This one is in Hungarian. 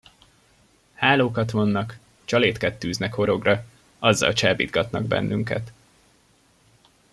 Hálókat vonnak, csalétket tűznek horogra, azzal csábítgatnak bennünket.